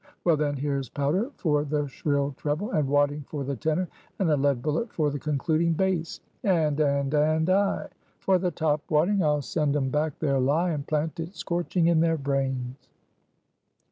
Well then, here's powder for the shrill treble; and wadding for the tenor; and a lead bullet for the concluding bass! And, and, and, ay; for the top wadding, I'll send 'em back their lie, and plant it scorching in their brains!"